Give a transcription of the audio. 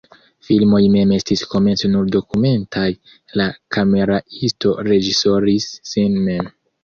Filmoj mem estis komence nur dokumentaj, la kameraisto reĝisoris sin mem.